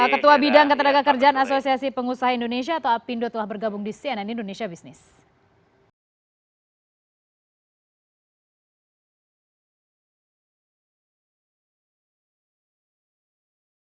ketua bidang ketenagakerjaan asosiasi pengusaha indonesia atau apindo telah bergabung di cnn indonesia busines